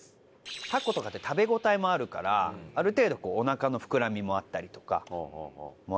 たことかって食べ応えもあるからある程度おなかの膨らみもあったりとかもありますし。